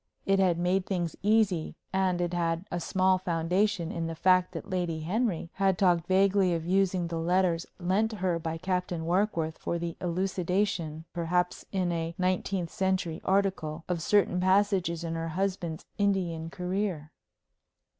It had made things easy, and it had a small foundation in the fact that Lady Henry had talked vaguely of using the letters lent her by Captain Warkworth for the elucidation perhaps in a Nineteenth Century article of certain passages in her husband's Indian career.